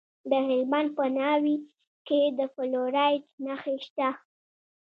د هلمند په ناوې کې د فلورایټ نښې شته.